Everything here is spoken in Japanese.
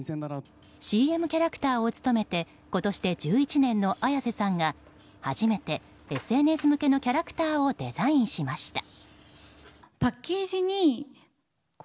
ＣＭキャラクターを務めて今年で１１年の綾瀬さんが初めて、ＳＮＳ向けのキャラクターをデザインしました。